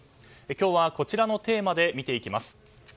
今日はこちらのテーマで見ていきます。